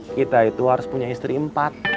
kita itu harus punya istri empat